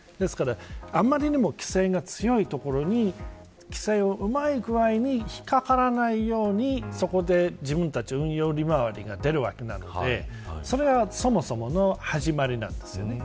余りにも規制が強いところに規制をうまいぐらいに引っかからないように自分たちの運用利回りが出るわけなのでそれがそもそもの始まりなんです。